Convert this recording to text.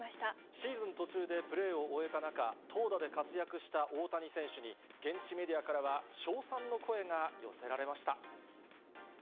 シーズン途中でプレーを終えた中、投打で活躍した大谷選手に、現地メディアからは称賛の声が寄せられました。